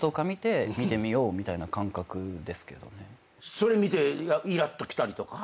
それ見てイラッときたりとか。